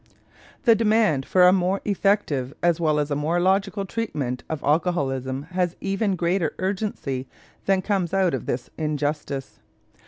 The demand for a more effective as well as a more logical treatment of alcoholism has even greater urgency than comes out of this injustice.